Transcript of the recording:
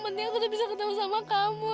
mama kasih pilihan apa sama kamu